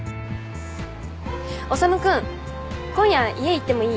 修君今夜家行ってもいい？